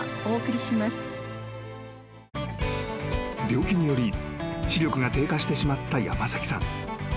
［病気により視力が低下してしまった山崎さん］